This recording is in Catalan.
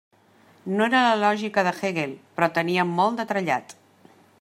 No era la Lògica de Hegel, però tenia molt de trellat.